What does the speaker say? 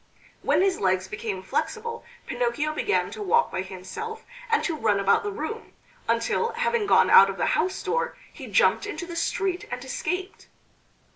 When his legs became flexible Pinocchio began to walk by himself and to run about the room; until, having gone out of the house door, he jumped into the street and escaped.